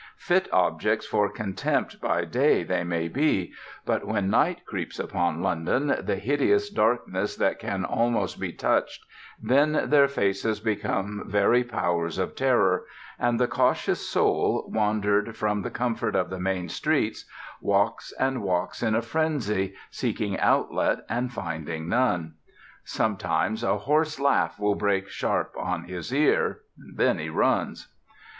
Fit objects for contempt by day they may be, but when night creeps upon London, the hideous darkness that can almost be touched, then their faces become very powers of terror, and the cautious soul, wandered from the comfort of the main streets, walks and walks in a frenzy, seeking outlet and finding none. Sometimes a hoarse laugh will break sharp on his ear. Then he runs.